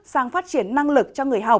sang phát triển năng lực cho người học